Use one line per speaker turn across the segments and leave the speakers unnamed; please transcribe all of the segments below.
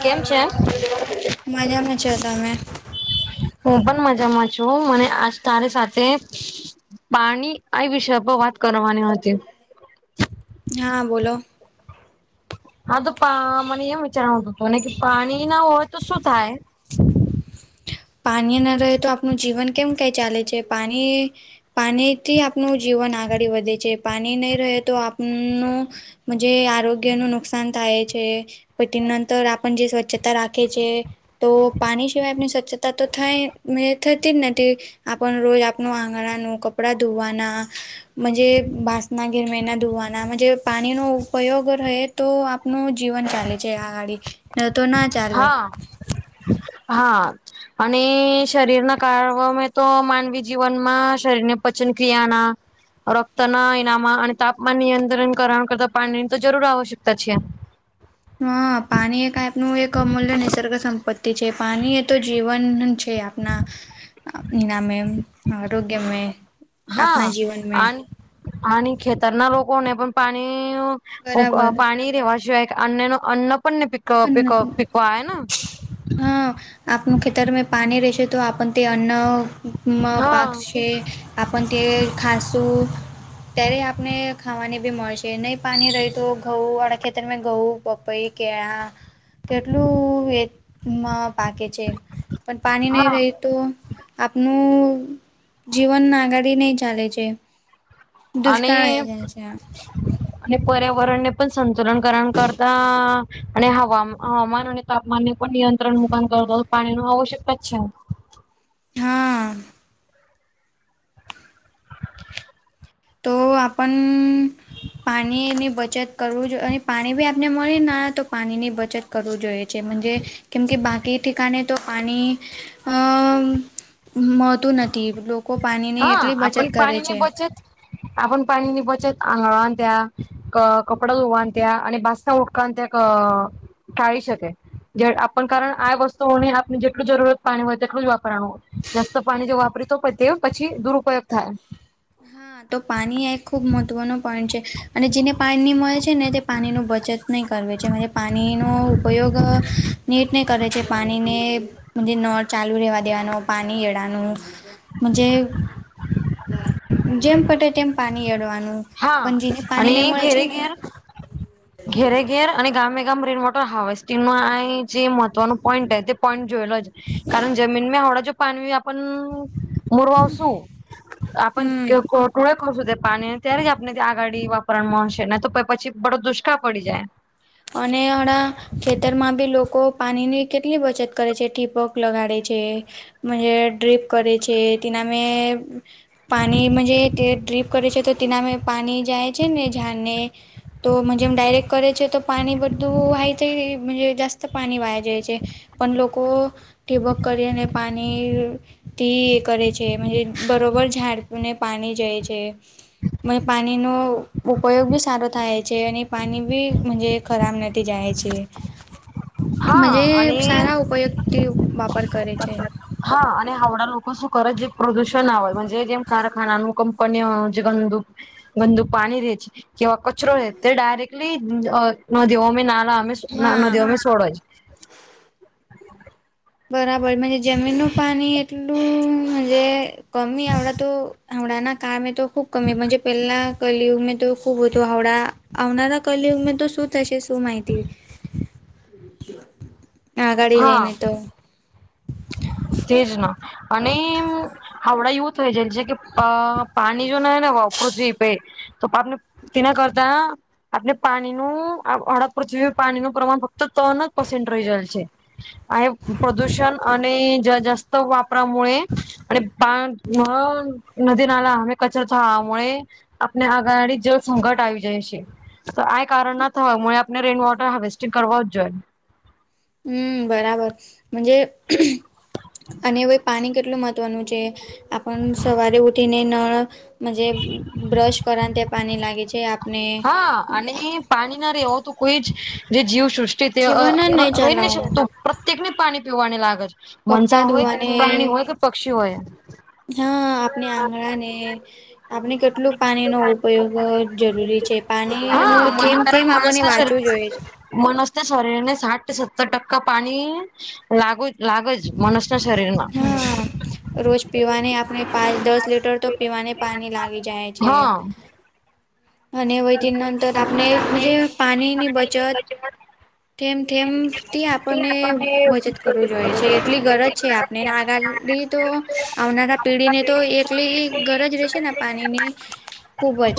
કેમ છે
મજામાં છો તમે
હું પણ મજામાં છું મને આજ તારી સાથે પાણી આ વિષ પર વાત કરવાની હતી
હા બોલો
હા તો પા મને એમ વિચારણ હત હતું કે પાણી ના હોય તો શું થાય
પાણી ના રહે તો આપણ જીવન કેમ કઈ ચાલે છે પાણી પાણીથી આપનું જીવન આગળી વધે છે પાણી નહીં રહે તો આપનું જે આરોગ્યનું નુકસાન થાય છે પ તે નંતર આપણ જે સ્વચ્છતા રાખે છે તો પાણી સિવાય આપણી સ્વચ્છતા ત તો થંાય મે થતી જ નથી આપણ રોજ આપણું આંગણાનું કપડા ધોવાના જ બાસના ગિરમેના ધોવાનાજ પાણીનો ઉપયોગ રહે તો આપનું જીવન ચાલે છે આ ગાડી તો ના ચાલવે
હા હા અને શરીરના કારણોમે તો માનવી જીવનમાં શરીર ને પચન ક્રિયાના રક્ત ના ઇનામા અને તાપમાન નિયંત્રણ કરણ કરતા પાણીની તો જરૂર આવશ્યકતા છે
હા પાણી એકનું એક અમૂલ્ય નિસર્ગ સંપત્તિ છે પાણી એ તો જીવન છે આપના એનામે આરોગ્ય મે આપના જીવન મે
અને ખેતરના લોકોને પણ પાણી
બરાબર
પાણી વા સિવાય અન્ન ન અન્ન પણ ને
પણ
પીકવા આવે ને
હા આપનું ખેતરમાં પાણી રેશે તો આપણ તે અન્નમાં
હા
પાક આપણ તે ખાસું ત્યારે આપને ખાવાની બી મળશે નહી પાણી રહી તો ઘઉં વાળા ખેતરમાં ઘઉં પઈ કેળં કેટલું એમાં પાકે છે પણ પાણી નહી
હા
રહી તો આપનું જીવન આગાળ નહીં ચાલે છે
અને
દુષ્કાળ આવી જાય
અને પર્યાવરણ ને પણ સંતુલન કરણ કરતા અને હવા હવામાન અને તાપમાન ને પણ નિયંત્રણ મુકામ કર પાણી ન આવશ્યકતા જ છે
છે હા તો આપણ પાણીની બચત કરવું જોઈએ અને પાણી બી આપને મળી ના તો પાણીની બચત કરવું જોઈએ છેજ કેમ કે બાકી િકાણે તો પાણી અ મળતું નથી લોકો પાણીની
હા
એટલી બચત
આપણ
કરે
પાણી ની
છે.
બચત આપ પાણી ની બચત આંગળવાન ત્યા કપડા ધોવાન ત્યા અને બા ઉટક ત્યા ટાળી શકે જે આપણ કારણ આ વસ્તુઓને આપણે જેટલું જરૂરત પાણી હોય તેટલું જ વાપરાવાનું હોય જસ્ત પાણી જો વાપરી તો તે પછી દુરુપયોગ થાય
હા તો પાણી એક ખૂબ મહત્ત્વનો પોઈન્ટ છે અને જેને પાણીની મળે છે ને તે પાણીની બચત નહીં કરવે છે પાણીનો ઉપયોગ નીટ નહીં કરે છે પાણીને નળ ચાલુ રેવા દેવાનો પાણી ગેળનુંજ જેમ પટે તેમ પાણી એડવાનું
હા અને ઘેરે ઘેર ઘેરે ઘેર અને ગામે ગામ રેન વોટર હાવસ્ટિંગ ન આ જે મહત્વનું પોઈન્ટ તે પોઈન્ટ જોયેલો જ કારણ જમનમાં જો પાનવી આપ મુરવાવશું આપ
હમ
ટોળે કશું તે પાણીને ત્યારે જ આપને આગાડી વાપરણ માં હશે ને તો પછી બડો દુષ્કાળ પડી જાય
અને હણા ખેતરમાં બી લોકો પાણીની કેટલી બચત કરે છે ટીપક ક લગાડે છે મજે ડ્ર્રીપ કરે છે તિના મે પાણી મજે તે ડ્રીપ કરે છે તો તેિનામે પાણી જાય છે ને ઝાડને તો જેમ ડાયરેક્ટ કરે છે તો પાણી બધુંય જ જાસ્ત પાણી વાય જ છે પણ લોકો ટીબક કરી અને પાણી તે એ કરે છે બરોબર ઝાડીને પાણી જાય છે. મ પાણીનો ઉપયોગ બી સારો થાય છે અને પાણી બી મજે ખરાબ નથી જાય છે મજે
હા અને
સારા ઉપયોગથી વાપર કરે છે
હા અને આવડા લોકો શું કરે જે પ્રદુષણ આવેય જેમ કારખાનાનું કંપનીઓનું જે ગંદુક ગંદુ પાણી દે છે કે કચરો છે તે ડાયરેક્ટલી અ નદીઓમે નાલા
હા.
નદીઓમે સોડવા છે
બરાબર જમીનનું પાણી ટલુંજ કમી એવડા તો આવડા અમારે કારણે. તો ખૂબ કમીજ પહેલા કલયુગમાં તો ખૂબ હો હતો આવડા આવનારા કલયુગમાં તો સુદ થશે શું માહિતી
[inaudible]
આ ગાડી
હા
જાયને તો
તેજ ના અને એમ હાવડા યુવથ હોય જેમ છે અ પાણી જો ના હ ને વાપરું થ પે તો ને કે ના કરતા આપણે પાણીનું હડદ પ પાણીનું પ્રમાણ ફક્ત ત્રણ જ પસન્ટ રહી જયેલ છે આ પ્રદૂષણ અને જાસ્ત વાપરા મુએ અને પા હ નદી નાલા હમે કચરો થવા મુ આપને આગાડી જળ સંકટ આવી જાય છે તો આઈ કારણ ના થવા હોય આપણે રેન વોટર હાર્વેસ્ટિંગ કરવા જ જોઈએ
હમ બરાબરજે અને પાણી કેટલું મહત્વનું છે આપણ સવારે ઉઠીને ન મજે બ્રશ કરન તે પાણી લાગી છે આપ
હા અને પાણી ના રહેેવો તો કોઈ જ જે જીવ સૃષ્ટિ તે
જીવાના
રહી નહી
ચલાવો
શકતું પ્રત્યેક ની પાણી પીવાની લાગે
કપડા
મનસા હોય કે
ધોવાને
પ્રાણી હોય કે પક્ષી હોય
હા આપણે આંગણા ને આપણે કેટલું પાણીનો ઉપયોગ જરૂરી છે પાણી ન
હા
થમ થમ આપણને વાત શું જોઈશ
મનસ્ત શરીર ને સાઠ સત્તર ટક્કા પાણી લાગુ લાગે જ મણસ ના શરીર માં
હા રોજ પીવાને આપણે પાંચ દસ લીટર તો પીવાને પાણી લાગી જાય છે
હા
અને વૈતી નંતર આપણેજે પાણી ની બચત તેમ તેમે થી આપણને બચત કરવું જોઈએ એટલી ગરજ છે આપણેને આગાડી તો આવનારા પીઢી ને તો એકલી ગરજ રહેશે ને પાણીની ખુબ જ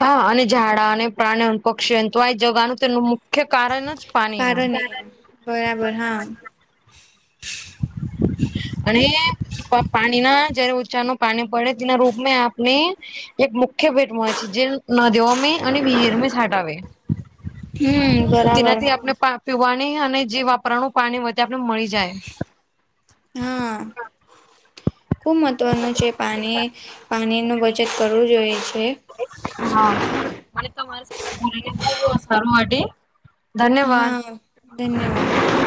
હા અને ઝાડા અને પ્રાણી પક્ષી તો આ જગાનું મુખ્ય કારણ જ પાણી
કારણે બરાબર હા
અને પ પાણીના જયારે ઊંચાનું પાણી પડે તેના રૂપમાં આપણે એક મુક ખે ભેટમાં હોય છે, જે નદીઓમે અને વિહીરમે છાંટ આવેે
હમ
તો
બરાબર
તેનાથી આપણે પા પીવાની અને જે વાપરાનું પાણી હોય તે આપને મળી જાય
હા, ખુબ મહત્વનું છે, પાણી પાણીનુ બચત કરવું જોએ છે.
હા, મને તમારી સાથે બોલીને ખુબ સારું માટે ધન્યવાદ!
હા ધન્યવાદ!